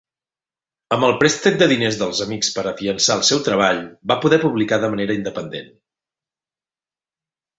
Amb el préstec de diners dels amics per a finançar el seu treball, va poder publicar de manera independent.